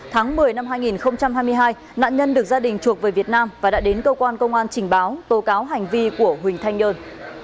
tháng một mươi năm hai nghìn hai mươi hai nạn nhân được gia đình chuộc về việt nam và đã đến cơ quan công an trình báo tố cáo hành vi của huỳnh thanh nhơn